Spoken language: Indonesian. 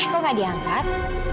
kok gak diangkat